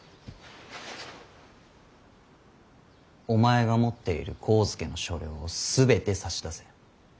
お前が持っている上野の所領を全て差し出せ。